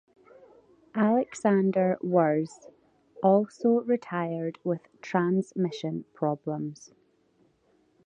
Alexander Wurz also retired with transmission problems.